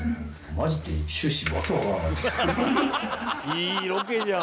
いいロケじゃん。